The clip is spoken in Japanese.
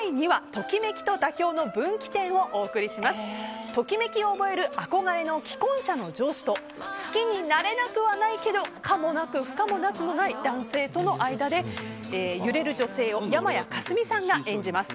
ときめきを覚える憧れの既婚者の上司と好きになれなくはないけど可もなく不可もなくもない男性との間で揺れる女性を山谷花純さんが演じます。